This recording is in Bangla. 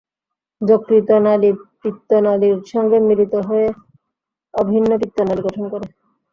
যকৃত নালী পিত্ত নালীর সঙ্গে মিলিত হয়ে অভিন্ন পিত্তনালী গঠন করে।